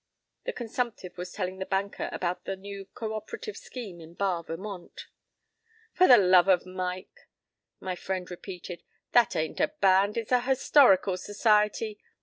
p> The consumptive was telling the banker about the new coöperative scheme in Barre, Vermont. "For the love o' Mike!" my friend repeated. "That ain't a band; it's a historical s'ciety.